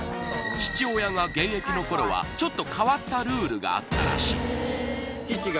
父親が現役の頃はちょっと変わったルールがあったらしい